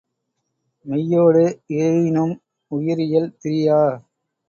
மெய்யொடு இயையினும் உயிர்இயல் திரியா